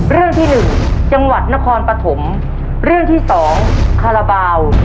เรื่องที่หนึ่งจังหวัดนครปฐมเรื่องที่สองคาราบาล